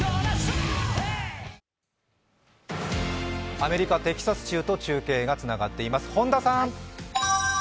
アメリカ・テキサス州と中継がつながっています。